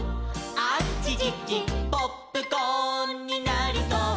「あちちちポップコーンになりそう」